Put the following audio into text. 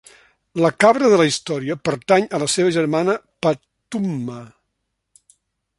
La cabra de la història pertany a la seva germana Pathumma.